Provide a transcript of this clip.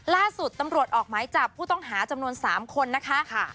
ล่าสุดตำรวจออกหมายจับผู้ต้องหาจำนวน๓คนนะคะ